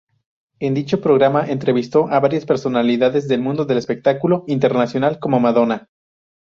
En dicho programa entrevistó a varias personalidades del mundo del espectáculo internacional, como Madonna.